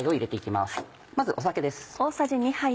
まず酒です。